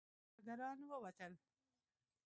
کارګران ووتل.